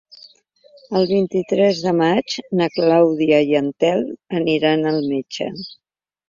El vint-i-tres de maig na Clàudia i en Telm aniran al metge.